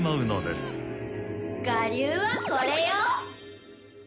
我流はこれよ。